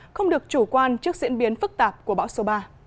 không được chủ quan trước diễn biến phức tạp của bão số ba